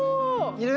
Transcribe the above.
いる！